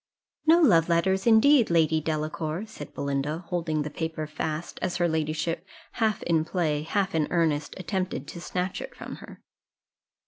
"No love letters, indeed, Lady Delacour," said Belinda, holding the paper fast, as her ladyship, half in play, half in earnest, attempted to snatch it from her.